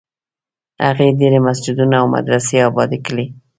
هغې ډېر مسجدونه او مدرسې ابادي کړې.